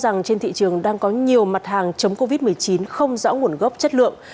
rằng trên thị trường đang có nhiều mặt hàng chống covid một mươi chín không rõ nguồn gốc chất lượng